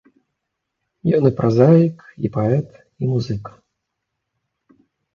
Ён і празаік, і паэт, і музыка.